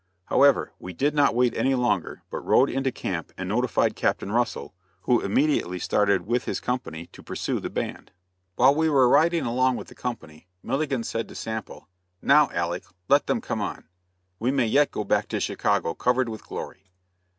However, we did not wait any longer but rode into camp and notified Captain Russell, who immediately started with his company to pursue the band. While we were riding along with the company Milligan said to Sample: "Now, Alick, let them come on. We may yet go back to Chicago covered with glory."